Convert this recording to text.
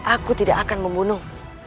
aku tidak akan membunuh